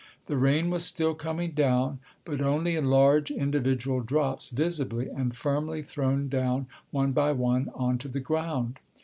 The rain was still coming down, but only in large individual drops visibly and firmly thrown down one by one onto the ground.